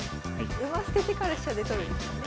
馬捨ててから飛車で取るんですかね。